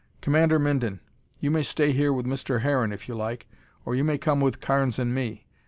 Commander Minden, you may stay here with Mr. Harron, if you like, or you may come with Carnes and me.